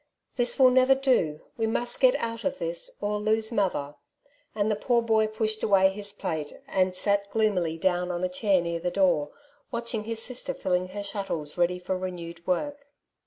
'^ This will never do ; we must get out of this, or lose mother ;'' and the poor boy pushed away his plate, and sat gloomily down on a chair near the door, watching his sister filling her shuttles ready for renewed work.